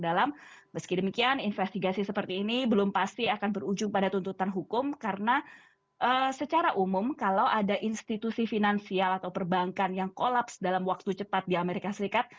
dalam meski demikian investigasi seperti ini belum pasti akan berujung pada tuntutan hukum karena secara umum kalau ada institusi finansial atau perbankan yang kolaps dalam waktu cepat di amerika serikat